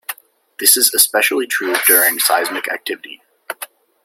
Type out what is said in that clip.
This is especially true during seismic activity.